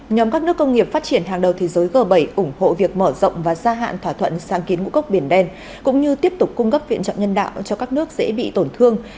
nhóm các nước công nghiệp phát triển hàng đầu thế giới g bảy ủng hộ việc mở rộng và gia hạn thỏa thuận sáng kiến ngũ cốc biển đen cũng như tiếp tục cung cấp viện chọn nhân đạo cho các nước dễ bị tổn thương